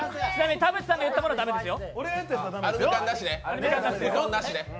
田渕さんが言ったものは駄目ですよ。